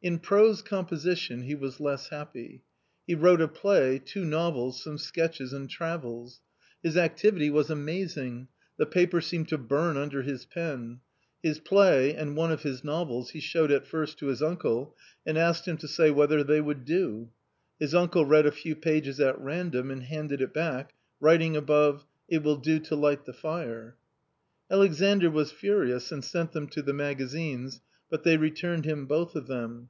In prose composition he was less happy. He wrote a play, two novels, some sketches and travels. His activity was amazing, the paper seemed to burn under his pen. His play and one of his novels he showed at first to his uncle and asked him to say whether they would do. His uncle read a few pages at random and handed it back, writing above — "It will do to light the fire !" Alexandr was furious and sent them to the magazines, but they returned him both of them.